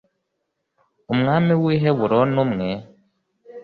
umwami w'i heburoni, umwe